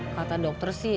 kata dokter sih